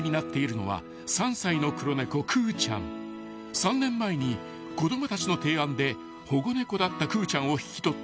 ［３年前に子供たちの提案で保護猫だったくーちゃんを引き取った］